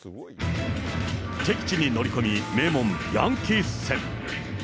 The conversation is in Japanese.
敵地に乗り込み、名門、ヤンキース戦。